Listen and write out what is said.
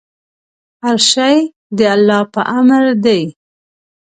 هر شی د الله په امر دی.